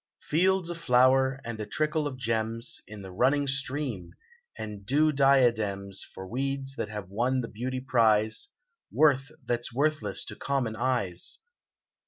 Fields a flower, and a trickle of gems In the running stream, and dew diadems For weeds that have won the beauty prize — Worth that's worthless to common eyes